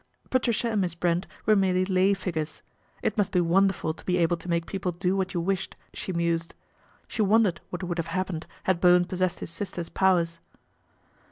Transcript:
Patricia and Miss Brent were merely lay figures. It must be wonderful to be able to make people do what you wished, she mused. She wondered what would have hap pened had Bowen possessed his sister's powers.